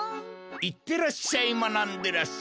いってらっしゃいまなんでらっしゃい。